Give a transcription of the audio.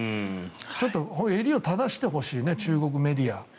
ちょっと襟を正してほしいね中国メディアは。